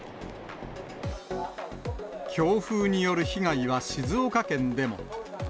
強風による被害は静岡県でも。